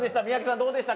どうでしたか？